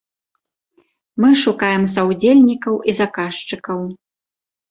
Мы шукаем саўдзельнікаў і заказчыкаў.